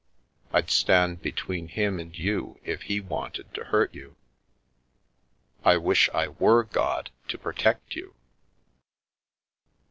I'd stand between Him and you if He wanted to hurt you. I wish I were God to protect you."